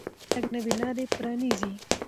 کار د پرمختګ نوې لارې پرانیزي